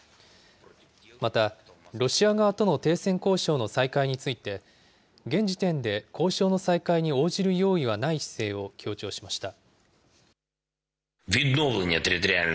また、ロシア側との停戦交渉の再開について、現時点で交渉の再開に応じる用意はない姿勢を強調しました。